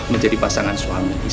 menjadi pasangan suami istri